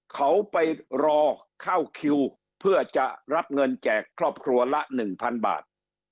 เขาไปรอเข้าคิวเพื่อจะรับเงินแจกครอบครัวละ๑๐๐บาท